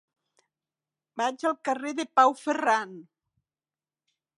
Vaig al carrer de Pau Ferran.